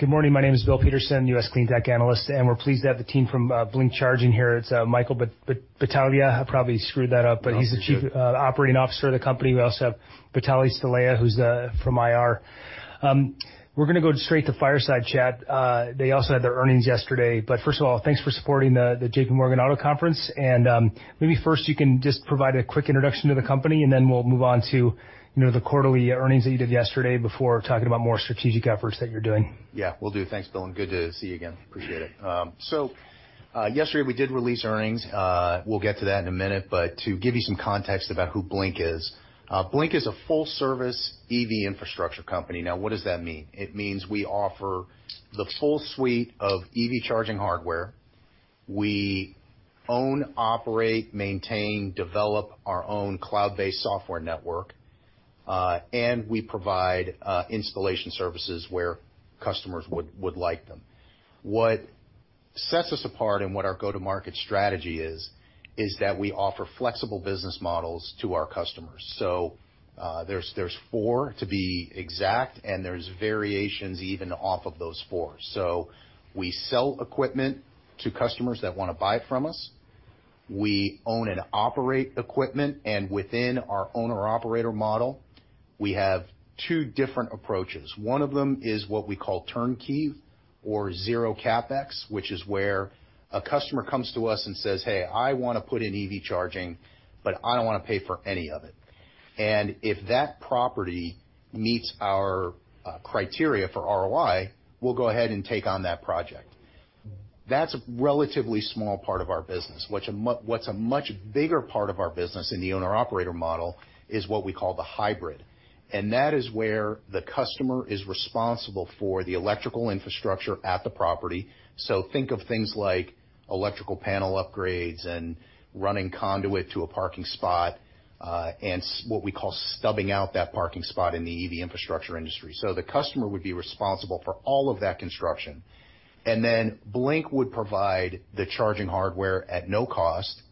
Good morning. My name is Bill Peterson, U.S. Cleantech Analyst, and we're pleased to have the team from Blink Charging here. It's Michael Battaglia. I probably screwed that up- No, you're good. But he's the Chief Operating Officer of the company. We also have Vitalie Stelea, who's from IR. We're gonna go straight to fireside chat. They also had their earnings yesterday. But first of all, thanks for supporting the JPMorgan Auto Conference, and maybe first, you can just provide a quick introduction to the company, and then we'll move on to, you know, the quarterly earnings that you did yesterday before talking about more strategic efforts that you're doing. Yeah, will do. Thanks, Bill, and good to see you again. Appreciate it. So, yesterday, we did release earnings. We'll get to that in a minute, but to give you some context about who Blink is, Blink is a full-service EV infrastructure company. Now, what does that mean? It means we offer the full suite of EV charging hardware. We own, operate, maintain, develop our own cloud-based software network, and we provide installation services where customers would like them. What sets us apart and what our go-to-market strategy is, is that we offer flexible business models to our customers. So, there's four, to be exact, and there's variations even off of those four. So we sell equipment to customers that wanna buy from us. We own and operate equipment, and within our owner-operator model, we have two different approaches. One of them is what we call turnkey or zero CapEx, which is where a customer comes to us and says, "Hey, I wanna put in EV charging, but I don't wanna pay for any of it." And if that property meets our criteria for ROI, we'll go ahead and take on that project. That's a relatively small part of our business. What's a much bigger part of our business in the owner-operator model is what we call the hybrid, and that is where the customer is responsible for the electrical infrastructure at the property. So think of things like electrical panel upgrades and running conduit to a parking spot, and what we call stubbing out that parking spot in the EV infrastructure industry. So the customer would be responsible for all of that construction, and then Blink would provide the charging hardware at no cost.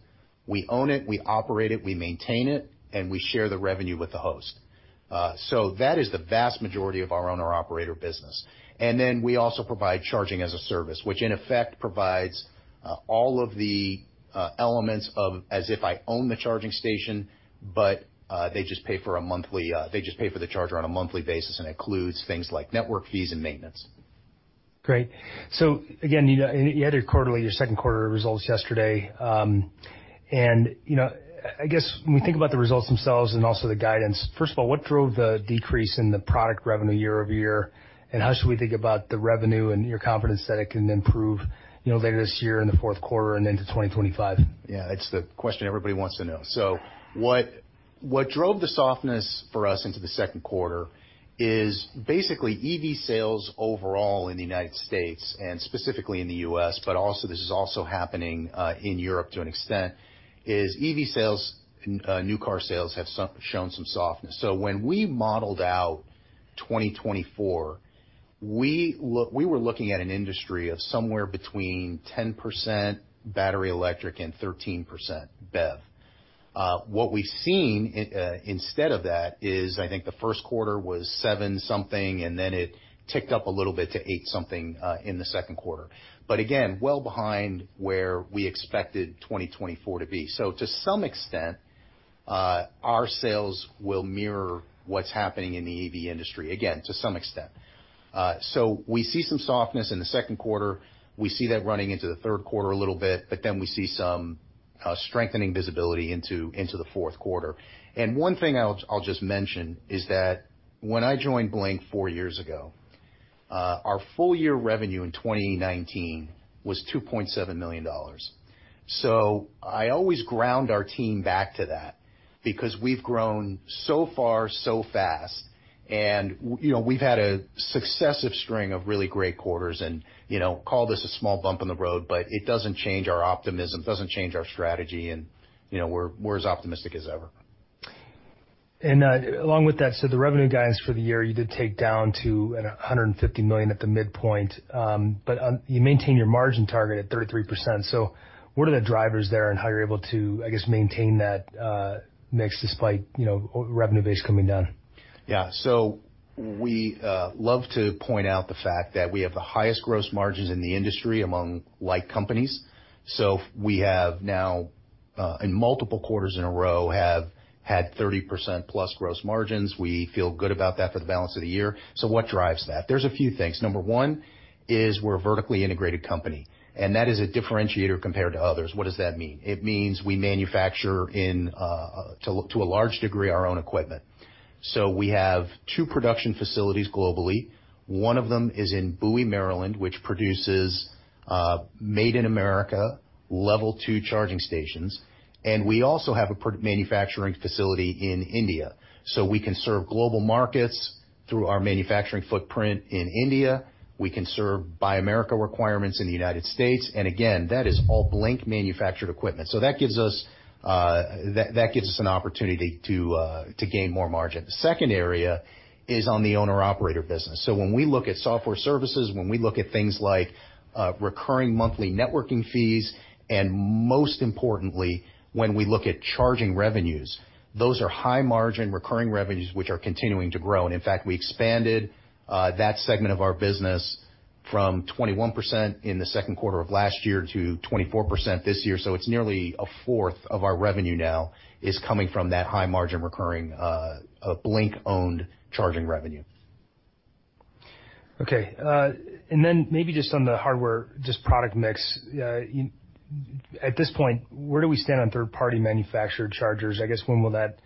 We own it, we operate it, we maintain it, and we share the revenue with the host. So that is the vast majority of our owner-operator business. And then we also provide charging as a service, which in effect provides all of the elements of as if I own the charging station, but they just pay for the charger on a monthly basis, and it includes things like network fees and maintenance. Great. So again, you know, and you had your quarterly, your second quarter results yesterday. And, you know, I guess when we think about the results themselves and also the guidance, first of all, what drove the decrease in the product revenue year-over-year? And how should we think about the revenue and your confidence that it can improve, you know, later this year in the fourth quarter and into 2025? Yeah, it's the question everybody wants to know. So what drove the softness for us into the second quarter is basically EV sales overall in the United States and specifically in the US, but also, this is also happening in Europe to an extent, is EV sales, new car sales have shown some softness. So when we modeled out 2024, we were looking at an industry of somewhere between 10% battery electric and 13% BEV. What we've seen instead of that is, I think the first quarter was seven-something, and then it ticked up a little bit to eight-something in the second quarter. But again, well behind where we expected 2024 to be. So to some extent, our sales will mirror what's happening in the EV industry. Again, to some extent. We see some softness in the second quarter. We see that running into the third quarter a little bit, but then we see some strengthening visibility into the fourth quarter. One thing I'll just mention is that when I joined Blink four years ago, our full year revenue in 2019 was $2.7 million. I always ground our team back to that because we've grown so far, so fast, and, you know, we've had a successive string of really great quarters and, you know, call this a small bump in the road, but it doesn't change our optimism, doesn't change our strategy, and, you know, we're as optimistic as ever. And, along with that, so the revenue guidance for the year, you did take down to $150 million at the midpoint, but, you maintained your margin target at 33%. So what are the drivers there and how you're able to, I guess, maintain that, mix despite, you know, revenue base coming down? Yeah. So we love to point out the fact that we have the highest gross margins in the industry among like companies. So we have now in multiple quarters in a row have had 30% plus gross margins. We feel good about that for the balance of the year. So what drives that? There's a few things. Number one is we're a vertically integrated company, and that is a differentiator compared to others. What does that mean? It means we manufacture to a large degree our own equipment. So we have two production facilities globally. One of them is in Bowie, Maryland, which produces made in America Level 2 charging stations, and we also have a manufacturing facility in India. So we can serve global markets through our manufacturing footprint in India. We can serve Buy America requirements in the United States, and again, that is all Blink-manufactured equipment. So that gives us an opportunity to gain more margin. The second area is on the owner-operator business. So when we look at software services, when we look at things like, recurring monthly networking fees, and most importantly, when we look at charging revenues, those are high-margin, recurring revenues, which are continuing to grow. And in fact, we expanded that segment of our business from 21% in the second quarter of last year to 24% this year. So it's nearly a fourth of our revenue now is coming from that high-margin, recurring Blink-owned charging revenue. Okay, and then maybe just on the hardware, just product mix, at this point, where do we stand on third-party manufactured chargers? I guess, when will that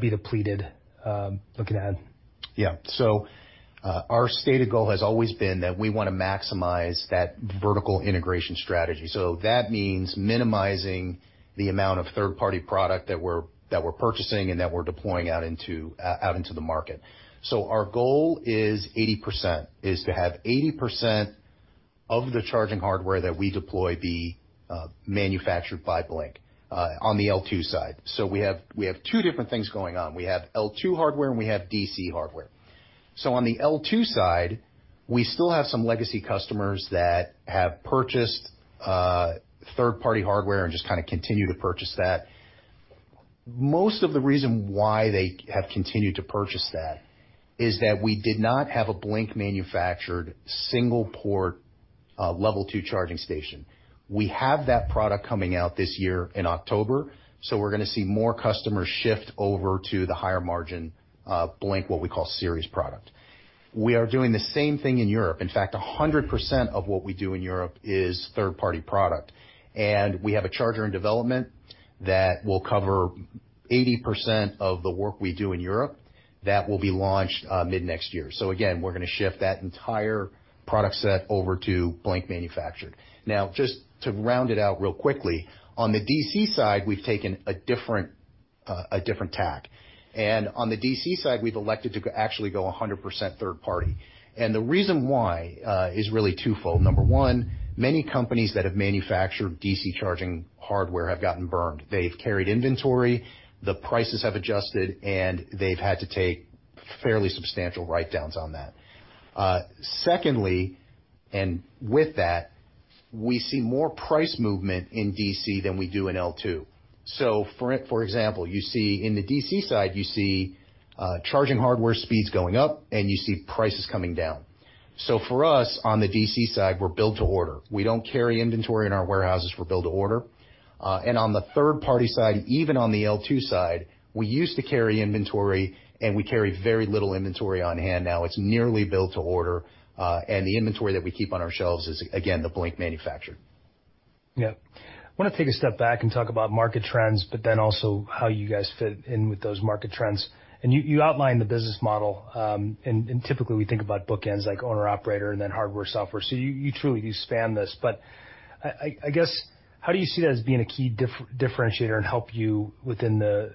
be depleted, looking ahead? Yeah. So, our stated goal has always been that we want to maximize that vertical integration strategy. So that means minimizing the amount of third-party product that we're purchasing and that we're deploying out into the market. So our goal is 80%, is to have 80% of the charging hardware that we deploy be manufactured by Blink on the L2 side. So we have two different things going on. We have L2 hardware, and we have DC hardware. So on the L2 side, we still have some legacy customers that have purchased third-party hardware and just kind of continue to purchase that. Most of the reason why they have continued to purchase that is that we did not have a Blink-manufactured, single-port Level 2 charging station. We have that product coming out this year in October, so we're gonna see more customers shift over to the higher-margin Blink, what we call Series product. We are doing the same thing in Europe. In fact, 100% of what we do in Europe is third-party product, and we have a charger in development that will cover 80% of the work we do in Europe. That will be launched mid-next year. So again, we're gonna shift that entire product set over to Blink-manufactured. Now, just to round it out real quickly, on the DC side, we've taken a different, a different tack, and on the DC side, we've elected to go, actually go 100% third party. And the reason why is really twofold. Number one, many companies that have manufactured DC charging hardware have gotten burned. They've carried inventory, the prices have adjusted, and they've had to take fairly substantial write-downs on that. Secondly, and with that, we see more price movement in DC than we do in L2. So for example, you see, in the DC side, you see, charging hardware speeds going up, and you see prices coming down. So for us, on the DC side, we're build to order. We don't carry inventory in our warehouses, we're build to order. And on the third-party side, even on the L2 side, we used to carry inventory, and we carry very little inventory on hand now. It's nearly build to order, and the inventory that we keep on our shelves is, again, the Blink manufactured. Yeah. I want to take a step back and talk about market trends, but then also how you guys fit in with those market trends. And you outlined the business model, and typically, we think about bookends, like owner/operator, and then hardware, software. So you truly span this. But I guess how do you see that as being a key differentiator and help you within the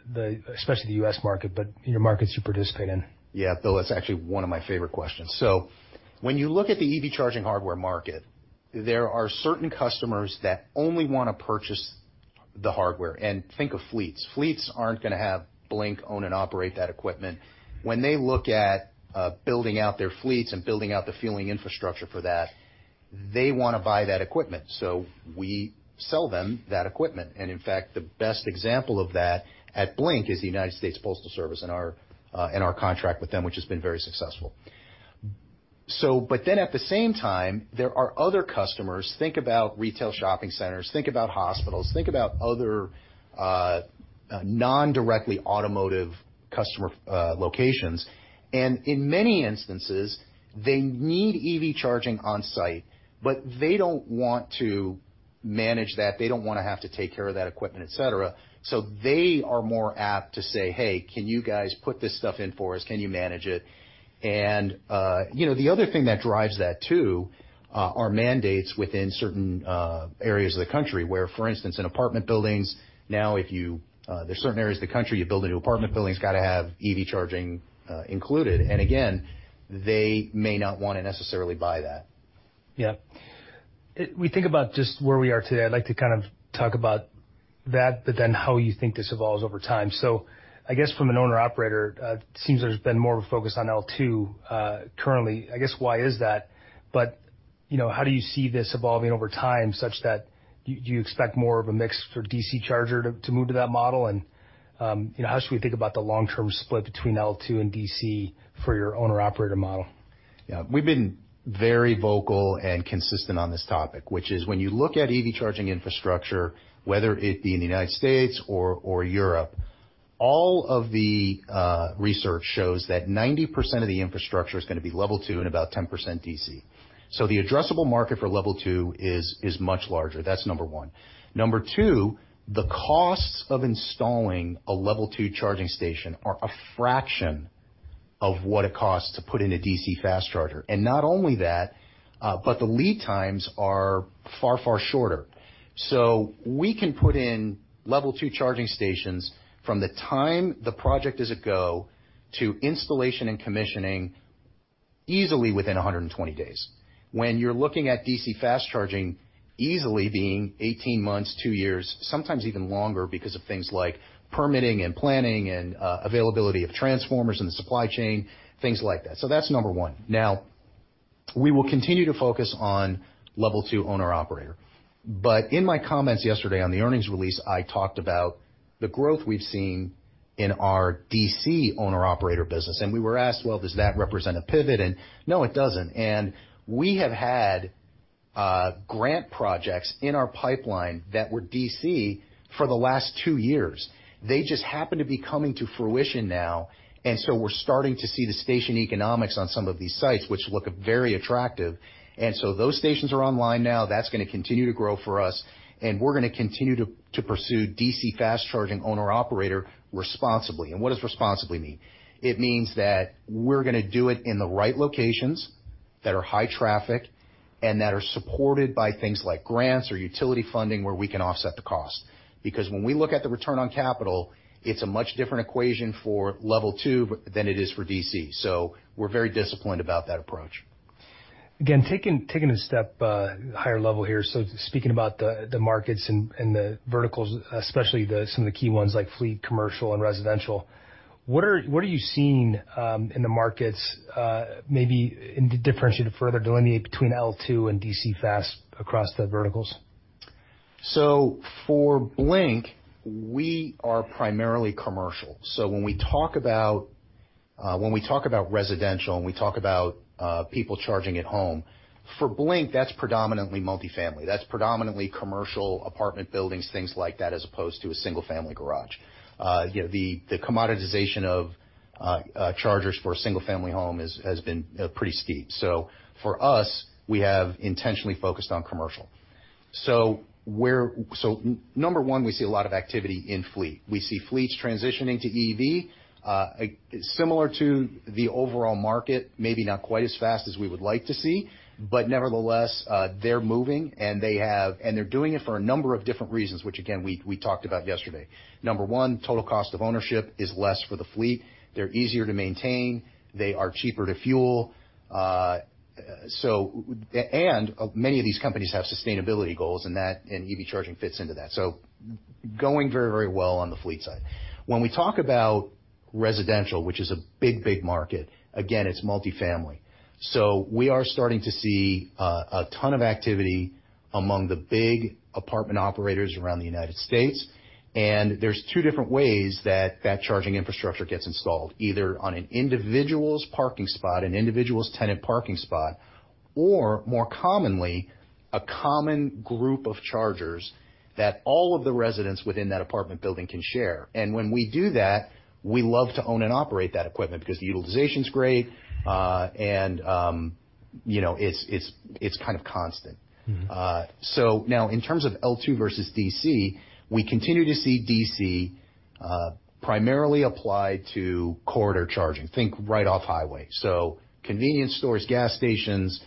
especially the US market, but in your markets you participate in? Yeah, Bill, that's actually one of my favorite questions. So when you look at the EV charging hardware market, there are certain customers that only want to purchase the hardware. And think of fleets. Fleets aren't gonna have Blink own and operate that equipment. When they look at building out their fleets and building out the fueling infrastructure for that, they want to buy that equipment, so we sell them that equipment. And in fact, the best example of that at Blink is the United States Postal Service and our and our contract with them, which has been very successful. So, but then, at the same time, there are other customers, think about retail shopping centers, think about hospitals, think about other non-directly automotive customer locations. And in many instances, they need EV charging on-site, but they don't want to manage that. They don't want to have to take care of that equipment, et cetera. So they are more apt to say, "Hey, can you guys put this stuff in for us? Can you manage it?" And, you know, the other thing that drives that, too, are mandates within certain areas of the country where, for instance, in apartment buildings, now, there's certain areas of the country, you build a new apartment building, it's gotta have EV charging included. And again, they may not want to necessarily buy that. Yeah. We think about just where we are today. I'd like to kind of talk about that, but then how you think this evolves over time. So I guess from an owner/operator, it seems there's been more of a focus on L2 currently. I guess, why is that? But, you know, how do you see this evolving over time, such that do you expect more of a mix for DC charger to move to that model? And, you know, how should we think about the long-term split between L2 and DC for your owner/operator model? Yeah. We've been very vocal and consistent on this topic, which is when you look at EV charging infrastructure, whether it be in the United States or Europe, all of the research shows that 90% of the infrastructure is gonna be Level 2 and about 10% DC. So the addressable market for Level 2 is much larger. That's number one. Number two, the costs of installing a Level 2 charging station are a fraction of what it costs to put in a DC fast charger. And not only that, but the lead times are far, far shorter. So we can put in Level 2 charging stations from the time the project is a go to installation and commissioning, easily within 120 days. When you're looking at DC fast charging, easily being 18 months, 2 years, sometimes even longer, because of things like permitting and planning and availability of transformers in the supply chain, things like that. So that's number one. Now, we will continue to focus on Level 2 owner-operator, but in my comments yesterday on the earnings release, I talked about the growth we've seen in our DC owner-operator business, and we were asked: Well, does that represent a pivot? And no, it doesn't. And we have had grant projects in our pipeline that were DC for the last 2 years. They just happen to be coming to fruition now, and so we're starting to see the station economics on some of these sites, which look very attractive. And so those stations are online now. That's gonna continue to grow for us, and we're gonna continue to pursue DC fast charging owner-operator responsibly. And what does responsibly mean? It means that we're gonna do it in the right locations, that are high traffic, and that are supported by things like grants or utility funding, where we can offset the cost. Because when we look at the return on capital, it's a much different equation for Level 2 than it is for DC. So we're very disciplined about that approach. Again, taking a step higher level here, so speaking about the markets and the verticals, especially some of the key ones like fleet, commercial, and residential, what are you seeing in the markets, maybe and differentiate it further, delineate between L2 and DC fast across the verticals? So for Blink, we are primarily commercial. So when we talk about residential, and we talk about people charging at home, for Blink, that's predominantly multifamily. That's predominantly commercial apartment buildings, things like that, as opposed to a single-family garage. You know, the commoditization of chargers for a single-family home has been pretty steep. So for us, we have intentionally focused on commercial. So we're number one, we see a lot of activity in fleet. We see fleets transitioning to EV, similar to the overall market, maybe not quite as fast as we would like to see, but nevertheless, they're moving, and they're doing it for a number of different reasons, which, again, we talked about yesterday. Number one, total cost of ownership is less for the fleet. They're easier to maintain, they are cheaper to fuel, and many of these companies have sustainability goals, and that, and EV charging fits into that. So going very, very well on the fleet side. When we talk about residential, which is a big, big market, again, it's multifamily. So we are starting to see a ton of activity among the big apartment operators around the United States, and there's two different ways that that charging infrastructure gets installed: either on an individual's parking spot, an individual's tenant parking spot, or more commonly, a common group of chargers that all of the residents within that apartment building can share. And when we do that, we love to own and operate that equipment, because the utilization's great, and you know, it's kind of constant. Mm-hmm. So now, in terms of L2 versus DC, we continue to see DC primarily apply to corridor charging. Think right off the highway, so convenience stores, gas stations,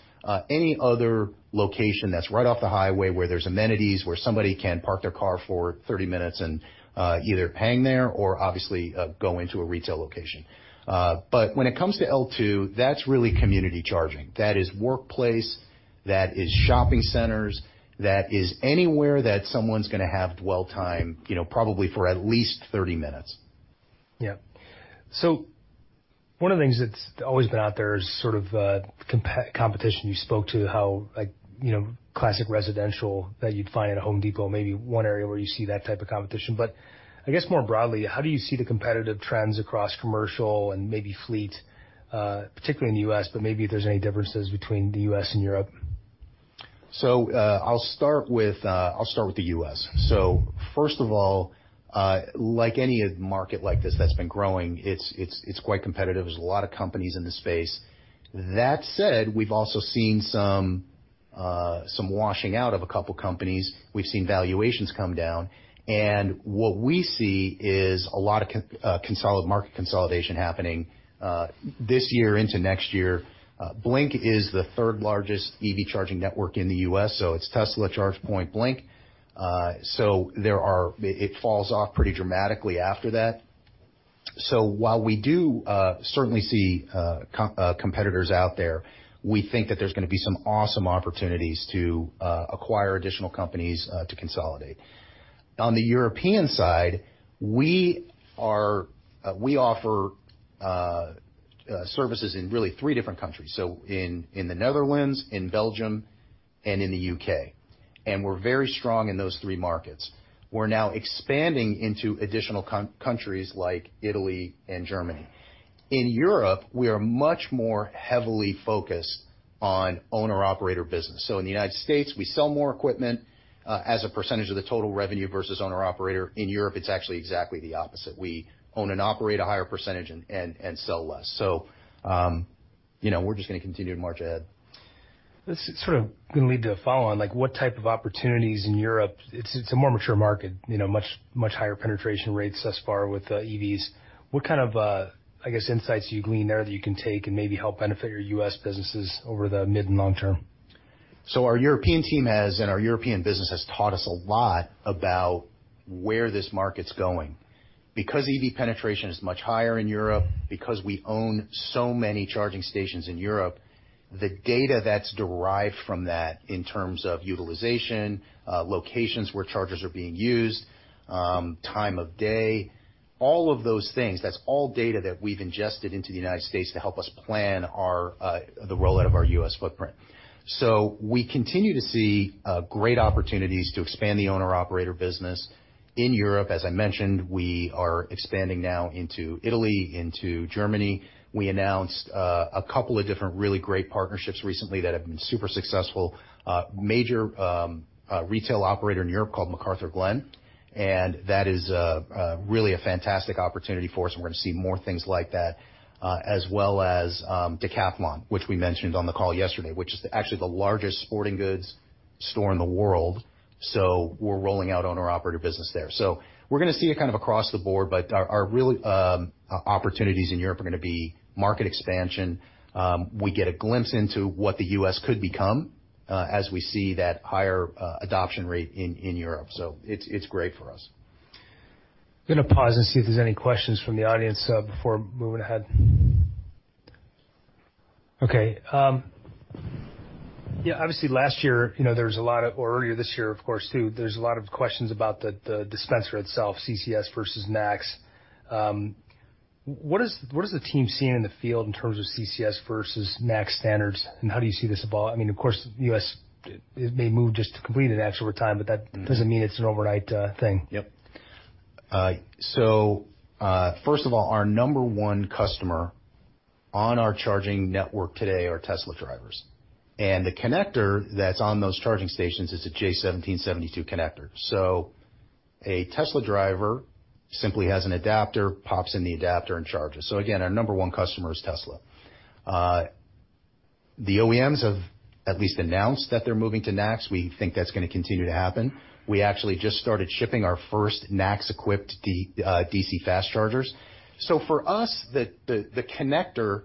any other location that's right off the highway, where there's amenities, where somebody can park their car for 30 minutes and either hang there or obviously go into a retail location. But when it comes to L2, that's really community charging. That is workplace, that is shopping centers, that is anywhere that someone's gonna have dwell time, you know, probably for at least 30 minutes. Yeah. So one of the things that's always been out there is sort of, competition. You spoke to how, like, you know, classic residential that you'd find at a Home Depot, maybe one area where you see that type of competition. But I guess more broadly, how do you see the competitive trends across commercial and maybe fleet, particularly in the U.S., but maybe if there's any differences between the U.S. and Europe? So, I'll start with the U.S. So first of all, like any market like this that's been growing, it's quite competitive. There's a lot of companies in this space. That said, we've also seen some washing out of a couple companies. We've seen valuations come down, and what we see is a lot of consolidated market consolidation happening this year into next year. Blink is the third largest EV charging network in the U.S., so it's Tesla, ChargePoint, Blink. So there are... It falls off pretty dramatically after that. So while we do certainly see competitors out there, we think that there's gonna be some awesome opportunities to acquire additional companies to consolidate. On the European side, we are, we offer services in really three different countries, so in the Netherlands, in Belgium, and in the UK, and we're very strong in those three markets. We're now expanding into additional countries like Italy and Germany. In Europe, we are much more heavily focused on owner-operator business. So in the United States, we sell more equipment as a percentage of the total revenue versus owner-operator. In Europe, it's actually exactly the opposite. We own and operate a higher percentage and sell less. So, you know, we're just gonna continue to march ahead. This is sort of gonna lead to a follow-on, like, what type of opportunities in Europe... It's, it's a more mature market, you know, much, much higher penetration rates thus far with EVs. What kind of, I guess, insights do you glean there, that you can take and maybe help benefit your US businesses over the mid and long term? So our European team has, and our European business has taught us a lot about where this market's going. Because EV penetration is much higher in Europe, because we own so many charging stations in Europe, the data that's derived from that in terms of utilization, locations where chargers are being used, time of day, all of those things, that's all data that we've ingested into the United States to help us plan our, the rollout of our U.S. footprint. So we continue to see, great opportunities to expand the owner-operator business in Europe. As I mentioned, we are expanding now into Italy, into Germany. We announced, a couple of different really great partnerships recently that have been super successful. Major retail operator in Europe called McArthurGlen, and that is really a fantastic opportunity for us, and we're gonna see more things like that, as well as Decathlon, which we mentioned on the call yesterday, which is actually the largest sporting goods store in the world. So we're rolling out owner-operator business there. So we're gonna see it kind of across the board, but our really opportunities in Europe are gonna be market expansion. We get a glimpse into what the US could become, as we see that higher adoption rate in Europe. So it's great for us. I'm gonna pause and see if there's any questions from the audience before moving ahead. Okay, yeah, obviously, last year, you know, there was a lot of or earlier this year, of course, too, there's a lot of questions about the dispenser itself, CCS versus NACS. What is the team seeing in the field in terms of CCS versus NACS standards, and how do you see this evolving? I mean, of course, US, it may move just to complete the NACS over time, but that doesn't mean it's an overnight thing. Yep. So, first of all, our number one customer on our charging network today are Tesla drivers, and the connector that's on those charging stations is a J1772 connector. So a Tesla driver simply has an adapter, pops in the adapter, and charges. So again, our number one customer is Tesla. The OEMs have at least announced that they're moving to NACS. We think that's gonna continue to happen. We actually just started shipping our first NACS-equipped DC fast chargers. So for us, the connector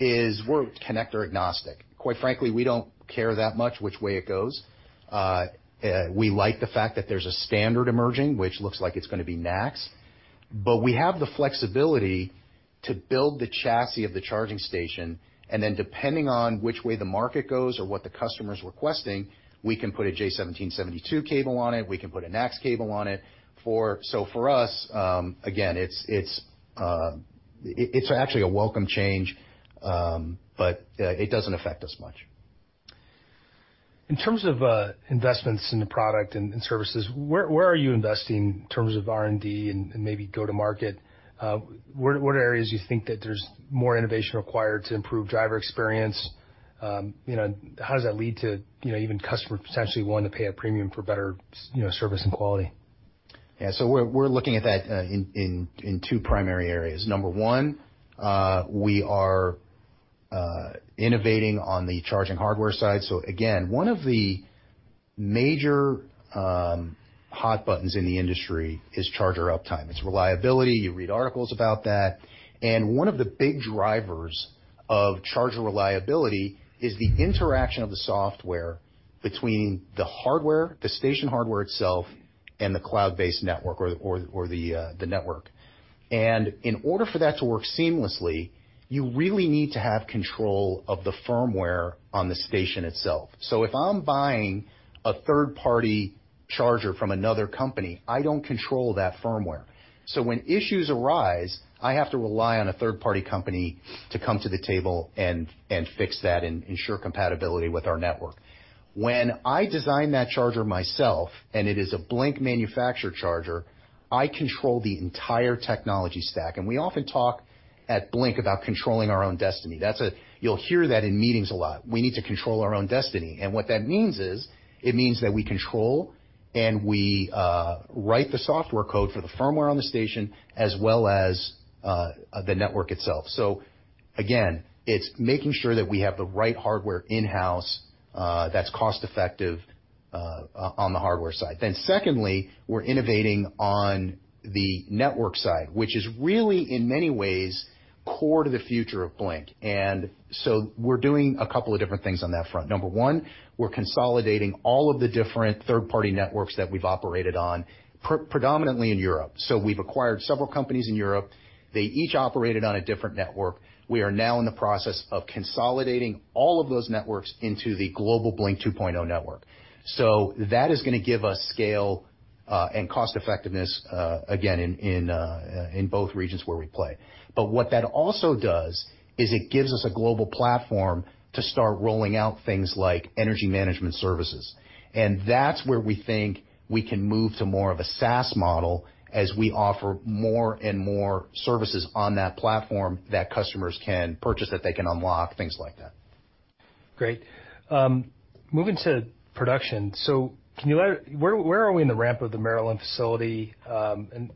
is we're connector agnostic. Quite frankly, we don't care that much which way it goes. We like the fact that there's a standard emerging, which looks like it's gonna be NACS, but we have the flexibility to build the chassis of the charging station, and then, depending on which way the market goes or what the customer's requesting, we can put a J1772 cable on it, we can put a NACS cable on it. So for us, again, it's actually a welcome change, but it doesn't affect us much. In terms of investments in the product and services, where are you investing in terms of R&D and maybe go-to-market? What areas do you think that there's more innovation required to improve driver experience? You know, how does that lead to, you know, even customers potentially willing to pay a premium for better service and quality? Yeah, so we're looking at that in two primary areas. Number one, we are innovating on the charging hardware side. So again, one of the major hot buttons in the industry is charger uptime. It's reliability. You read articles about that. And one of the big drivers of charger reliability is the interaction of the software between the hardware, the station hardware itself, and the cloud-based network or the network. And in order for that to work seamlessly, you really need to have control of the firmware on the station itself. So if I'm buying a third-party charger from another company, I don't control that firmware. So when issues arise, I have to rely on a third-party company to come to the table and fix that and ensure compatibility with our network. When I design that charger myself, and it is a Blink manufactured charger, I control the entire technology stack, and we often talk at Blink about controlling our own destiny. That's. You'll hear that in meetings a lot. "We need to control our own destiny." And what that means is, it means that we control and we write the software code for the firmware on the station as well as the network itself. So again, it's making sure that we have the right hardware in-house that's cost effective on the hardware side. Then secondly, we're innovating on the network side, which is really, in many ways, core to the future of Blink. And so we're doing a couple of different things on that front. Number one, we're consolidating all of the different third-party networks that we've operated on, predominantly in Europe. So we've acquired several companies in Europe. They each operated on a different network. We are now in the process of consolidating all of those networks into the global Blink 2.0 network. So that is gonna give us scale, and cost effectiveness, again, in both regions where we play. But what that also does is it gives us a global platform to start rolling out things like energy management services. And that's where we think we can move to more of a SaaS model as we offer more and more services on that platform that customers can purchase, that they can unlock, things like that. Great. Moving to production, so can you... Where are we in the ramp of the Maryland facility? And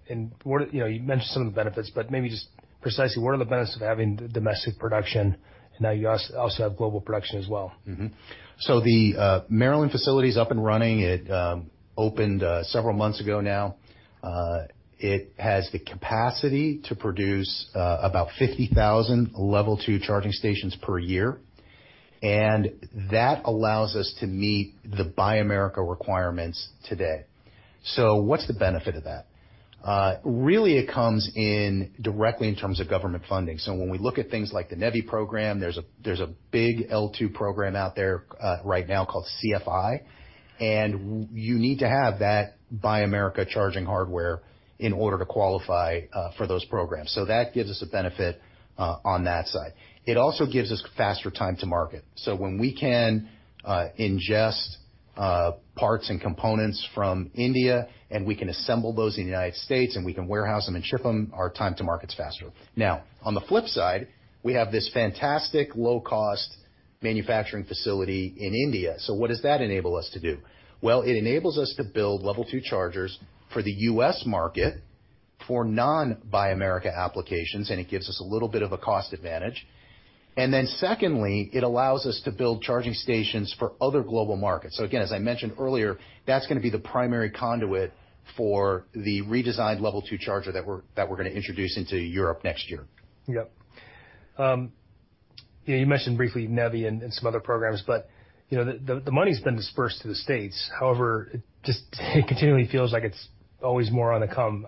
where... You know, you mentioned some of the benefits, but maybe just precisely, what are the benefits of having domestic production? Now, you also have global production as well. Mm-hmm. So the Maryland facility is up and running. It opened several months ago now. It has the capacity to produce about 50,000 Level 2 charging stations per year, and that allows us to meet the Buy America requirements today. So what's the benefit of that? Really, it comes in directly in terms of government funding. So when we look at things like the NEVI program, there's a big L2 program out there right now called CFI, and you need to have that Buy America charging hardware in order to qualify for those programs. So that gives us a benefit on that side. It also gives us faster time to market. When we can ingest parts and components from India, and we can assemble those in the United States, and we can warehouse them and ship them, our time to market's faster. Now, on the flip side, we have this fantastic low-cost manufacturing facility in India. What does that enable us to do? Well, it enables us to build Level 2 chargers for the US market for non-Buy America applications, and it gives us a little bit of a cost advantage. Then secondly, it allows us to build charging stations for other global markets. Again, as I mentioned earlier, that's gonna be the primary conduit for the redesigned Level 2 charger that we're gonna introduce into Europe next year. Yep. You know, you mentioned briefly NEVI and some other programs, but, you know, the money's been dispersed to the States. However, it just continually feels like it's always more on the come.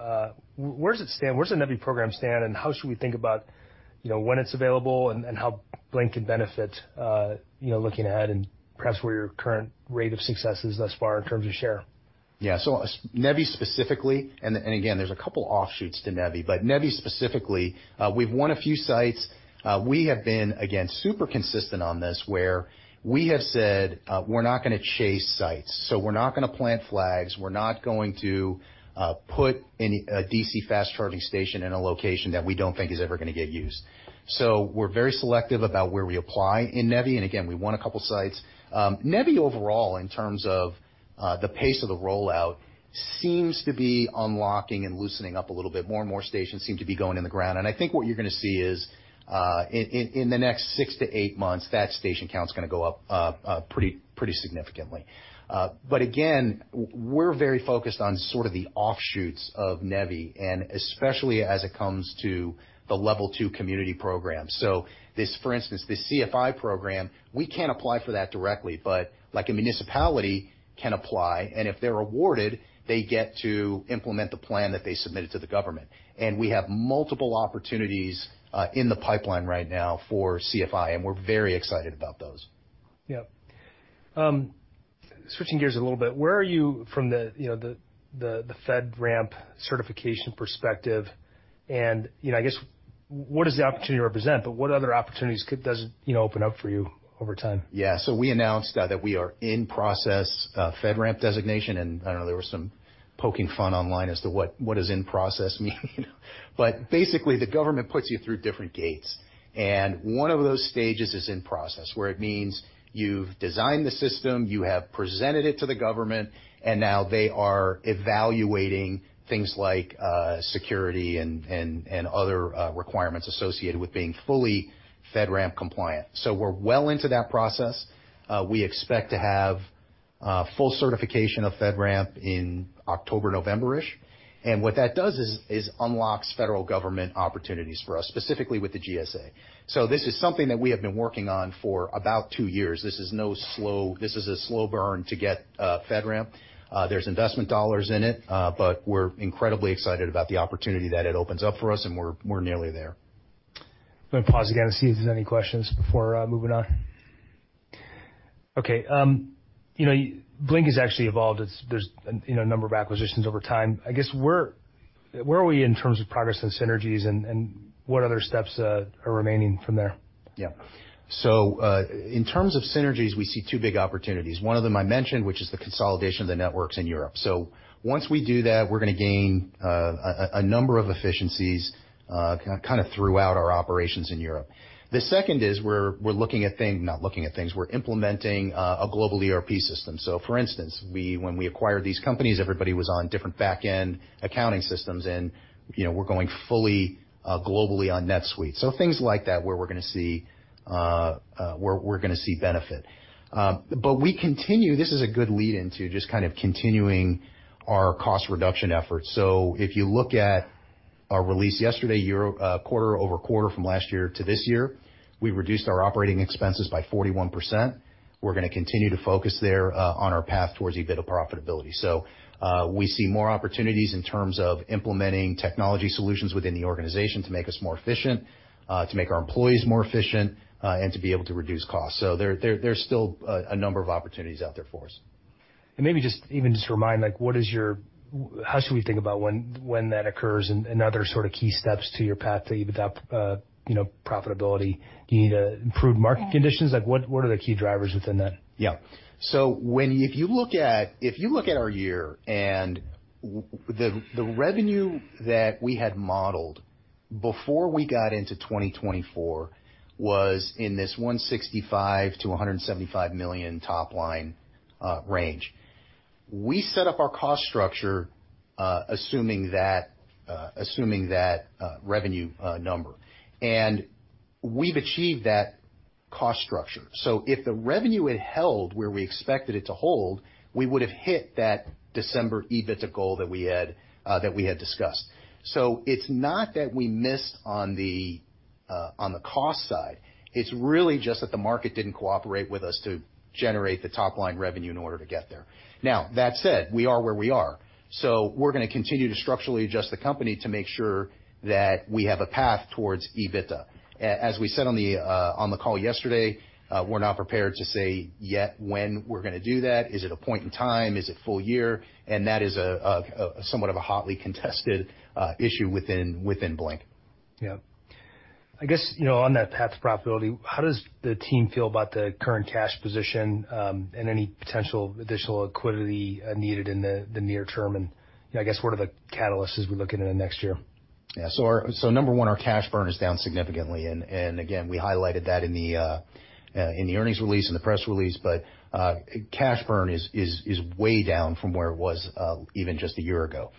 Where does it stand? Where does the NEVI program stand, and how should we think about, you know, when it's available and how Blink can benefit, you know, looking ahead, and perhaps where your current rate of success is thus far in terms of share? Yeah. So NEVI specifically, and again, there's a couple offshoots to NEVI, but NEVI specifically, we've won a few sites. We have been, again, super consistent on this, where we have said, we're not gonna chase sites. So we're not gonna plant flags. We're not going to put any DC fast charging station in a location that we don't think is ever gonna get used. So we're very selective about where we apply in NEVI, and again, we won a couple sites. NEVI overall, in terms of the pace of the rollout, seems to be unlocking and loosening up a little bit. More and more stations seem to be going in the ground, and I think what you're gonna see is, in the next 6-8 months, that station count's gonna go up pretty significantly. But again, we're very focused on sort of the offshoots of NEVI, and especially as it comes to the Level 2 community program. So, for instance, this CFI program, we can't apply for that directly, but like, a municipality can apply, and if they're awarded, they get to implement the plan that they submitted to the government. We have multiple opportunities in the pipeline right now for CFI, and we're very excited about those. Yep. Switching gears a little bit, where are you from the, you know, the FedRAMP certification perspective? And, you know, I guess, what does the opportunity represent, but what other opportunities does it, you know, open up for you over time? Yeah. So we announced that we are in process FedRAMP designation, and, I don't know, there was some poking fun online as to what does in process mean? But basically, the government puts you through different gates, and one of those stages is in process, where it means you've designed the system, you have presented it to the government, and now they are evaluating things like security and other requirements associated with being fully FedRAMP compliant. So we're well into that process. We expect to have full certification of FedRAMP in October, November-ish. And what that does is unlocks federal government opportunities for us, specifically with the GSA. So this is something that we have been working on for about two years. This is a slow burn to get FedRAMP. There's investment dollars in it, but we're incredibly excited about the opportunity that it opens up for us, and we're nearly there. I'm gonna pause again and see if there's any questions before moving on. Okay, you know, Blink has actually evolved. There's, you know, a number of acquisitions over time. I guess, where are we in terms of progress and synergies, and what other steps are remaining from there? Yeah. So, in terms of synergies, we see two big opportunities. One of them I mentioned, which is the consolidation of the networks in Europe. So once we do that, we're gonna gain a number of efficiencies kind of throughout our operations in Europe. The second is, we're implementing a global ERP system. So for instance, when we acquired these companies, everybody was on different back-end accounting systems, and, you know, we're going fully globally on NetSuite. So things like that, where we're gonna see benefit. But we continue... This is a good lead-in to just kind of continuing our cost reduction efforts. So if you look at our release yesterday, quarter-over-quarter from last year to this year, we reduced our operating expenses by 41%. We're gonna continue to focus there on our path towards EBITDA profitability. So we see more opportunities in terms of implementing technology solutions within the organization to make us more efficient, to make our employees more efficient, and to be able to reduce costs. So there's still a number of opportunities out there for us. Maybe just even just to remind, like, how should we think about when that occurs and other sort of key steps to your path to EBITDA, you know, profitability? Do you need improved market conditions? Like, what are the key drivers within that? Yeah. So when if you look at our year and the revenue that we had modeled before we got into 2024 was in this $165 million-$175 million top line range. We set up our cost structure assuming that revenue number, and we've achieved that cost structure. So if the revenue had held where we expected it to hold, we would've hit that December EBITDA goal that we had discussed. So it's not that we missed on the cost side. It's really just that the market didn't cooperate with us to generate the top line revenue in order to get there. Now, that said, we are where we are, so we're gonna continue to structurally adjust the company to make sure that we have a path towards EBITDA. As we said on the call yesterday, we're not prepared to say yet when we're gonna do that. Is it a point in time? Is it full year? And that is somewhat of a hotly contested issue within Blink. Yeah. I guess, you know, on that path to profitability, how does the team feel about the current cash position, and any potential additional liquidity, needed in the near term? I guess, what are the catalysts as we look into the next year? Yeah. So our cash burn is down significantly, and again, we highlighted that in the earnings release, in the press release. But cash burn is way down from where it was, even just a year ago.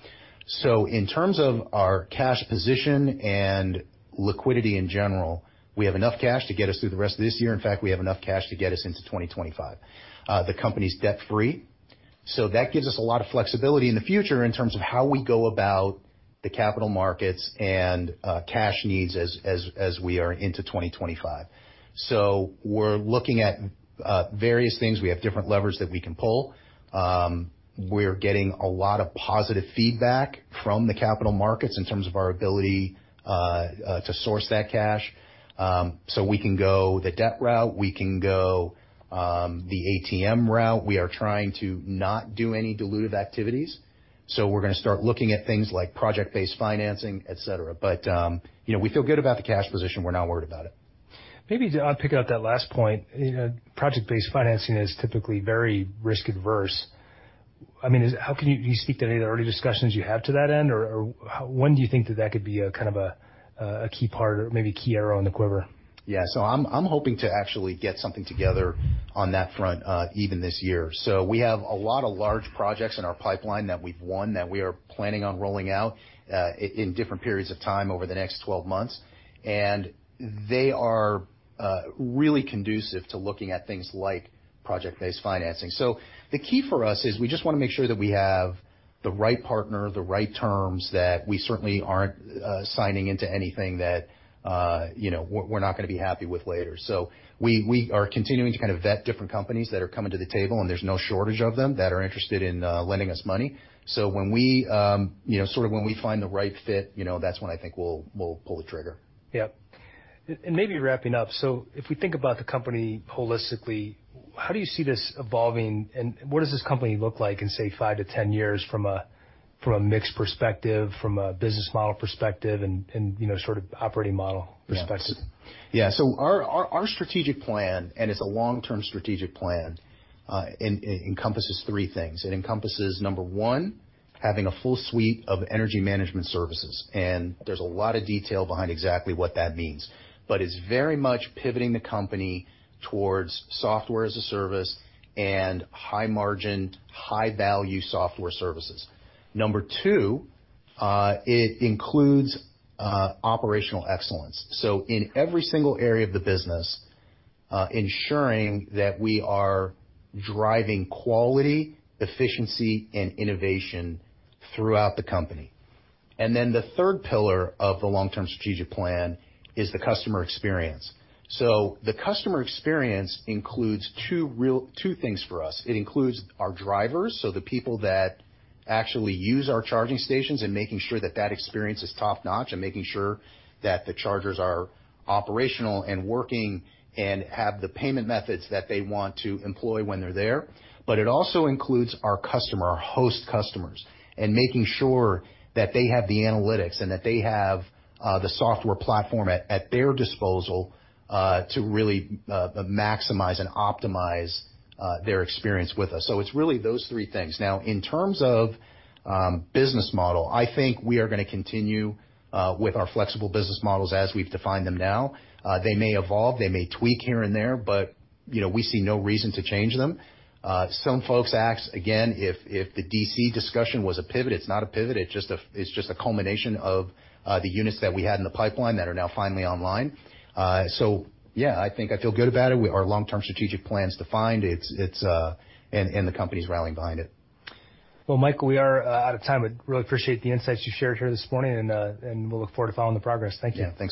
So in terms of our cash position and liquidity in general, we have enough cash to get us through the rest of this year. In fact, we have enough cash to get us into 2025. The company's debt-free, so that gives us a lot of flexibility in the future in terms of how we go about the capital markets and cash needs as we are into 2025. So we're looking at various things. We have different levers that we can pull. We're getting a lot of positive feedback from the capital markets in terms of our ability to source that cash. So we can go the debt route, we can go the ATM route. We are trying to not do any dilutive activities, so we're gonna start looking at things like project-based financing, et cetera. But you know, we feel good about the cash position. We're not worried about it. Maybe to pick up that last point, you know, project-based financing is typically very risk averse. I mean, how can you... Can you speak to any early discussions you have to that end? Or, how, when do you think that that could be a kind of a key part or maybe key arrow in the quiver? Yeah. So I'm hoping to actually get something together on that front, even this year. So we have a lot of large projects in our pipeline that we've won, that we are planning on rolling out, in different periods of time over the next 12 months. And they are really conducive to looking at things like project-based financing. So the key for us is we just wanna make sure that we have the right partner, the right terms, that we certainly aren't signing into anything that, you know, we're not gonna be happy with later. So we are continuing to kind of vet different companies that are coming to the table, and there's no shortage of them, that are interested in lending us money. So when we, you know, sort of when we find the right fit, you know, that's when I think we'll pull the trigger. Yeah. And maybe wrapping up, so if we think about the company holistically, how do you see this evolving, and what does this company look like in, say, five to ten years from a, from a mix perspective, from a business model perspective and, and, you know, sort of operating model perspective? Yeah. So our strategic plan, and it's a long-term strategic plan, it encompasses three things. It encompasses, number one, having a full suite of energy management services, and there's a lot of detail behind exactly what that means. But it's very much pivoting the company towards software as a service and high-margin, high-value software services. Number two, it includes operational excellence, so in every single area of the business, ensuring that we are driving quality, efficiency, and innovation throughout the company. And then, the third pillar of the long-term strategic plan is the customer experience. So the customer experience includes two things for us. It includes our drivers, so the people that actually use our charging stations and making sure that that experience is top-notch, and making sure that the chargers are operational and working and have the payment methods that they want to employ when they're there. But it also includes our customer, our host customers, and making sure that they have the analytics and that they have the software platform at their disposal to really maximize and optimize their experience with us. So it's really those three things. Now, in terms of business model, I think we are gonna continue with our flexible business models as we've defined them now. They may evolve, they may tweak here and there, but, you know, we see no reason to change them. Some folks ask, again, if the DC discussion was a pivot. It's not a pivot, it's just a, it's just a culmination of the units that we had in the pipeline that are now finally online. So yeah, I think I feel good about it. Our long-term strategic plan is defined. It's, it's... And the company's rallying behind it. Well, Michael, we are out of time. I really appreciate the insights you shared here this morning, and, and we'll look forward to following the progress. Thank you. Yeah. Thank you.